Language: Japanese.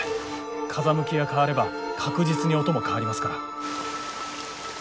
風向きが変われば確実に音も変わりますから。